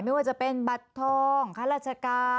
ไม่ว่าจะเป็นบัตรทองข้าราชการ